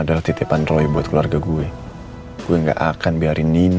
ya saya cerita sejak bayi